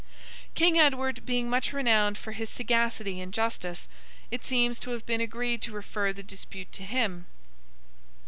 King Edward being much renowned for his sagacity and justice, it seems to have been agreed to refer the dispute to him.